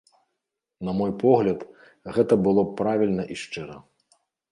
На мой погляд, гэта было б правільна і шчыра.